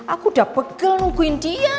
aku udah pegel nungguin dia